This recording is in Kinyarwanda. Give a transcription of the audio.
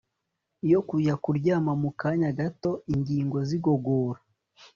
yo kujya kuryama Mu kanya gato ingingo zigogora